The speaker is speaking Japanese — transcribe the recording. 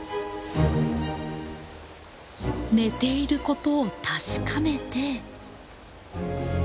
寝ていることを確かめて。